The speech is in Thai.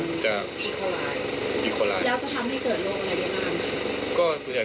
แล้วจะทำให้เกิดลวงอะไรขลาง